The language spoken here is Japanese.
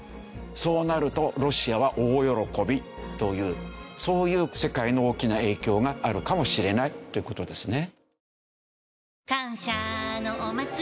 そうなるとロシアは大喜びというそういう世界の大きな影響があるかもしれないという事ですね。